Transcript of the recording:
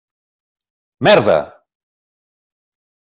Merda.